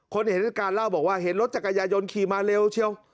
เห็นด้วยการเล่าบอกว่าเห็นรถจักรยายนขี่มาเร็วเชียว